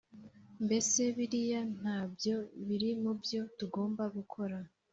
Mbese biriya nabyo birimubyo tugomba gukora